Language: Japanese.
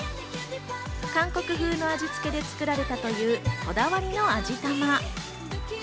韓国風の味つけで漬けられたというこだわりの味玉。